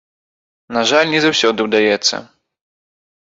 На жаль, не заўсёды ўдаецца.